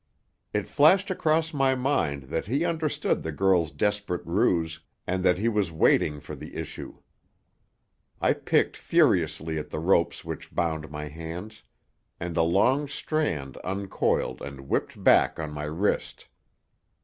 It flashed across my mind that he understood the girl's desperate ruse, and that he was waiting for the issue. I picked furiously at the ropes which bound my hands, and a long strand uncoiled and whipped back on my wrist.